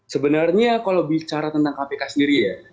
sebenarnya kalau bicara tentang kpk sendiri ya